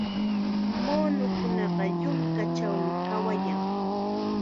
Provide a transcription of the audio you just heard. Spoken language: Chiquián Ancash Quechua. Muunukunaqa yunkachawmi kawayan.